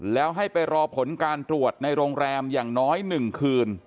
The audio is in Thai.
แล้วให้ไปรอผลการตรวจในโรงแรมอย่างน้อย๑คืน